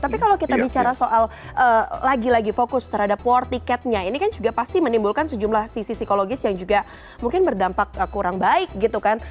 tapi kalau kita bicara soal lagi lagi fokus terhadap war ticketnya ini kan juga pasti menimbulkan sejumlah sisi psikologis yang juga mungkin berdampak kurang baik gitu kan